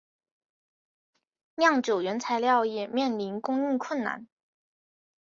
酿酒原材料也面临供应困难。